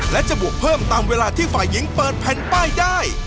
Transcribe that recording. และจะบวกเพิ่มตามเวลาที่ฝ่ายหญิงเปิดแผ่นป้ายได้